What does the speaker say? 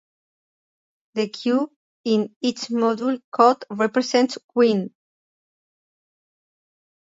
The "Q" in its module code represents "queen".